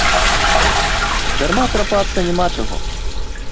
Дарма трапацца няма чаго.